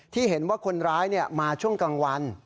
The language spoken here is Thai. ที่เห็นว่าคนร้ายมาช่วงกลางวัน